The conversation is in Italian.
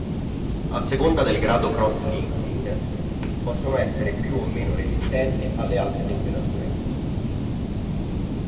A seconda del grado cross-linking possono essere più o meno resistenti alle alte temperature.